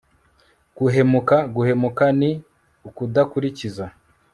guhemuka, guhemuka ni ukudakurikiza